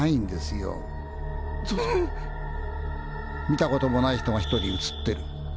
見たこともない人が一人映ってる。